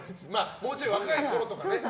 もうちょい若いころとかね。